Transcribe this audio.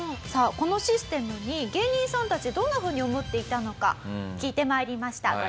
さあこのシステムに芸人さんたちどんなふうに思っていたのか聞いて参りました。